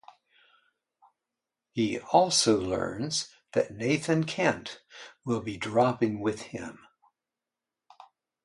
He also learns that Nathan Kent will be dropping with him.